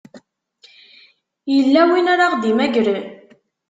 Yella win ara ɣ-d-imagren?